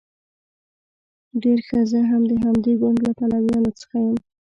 ډیر ښه زه هم د همدې ګوند له پلویانو څخه یم.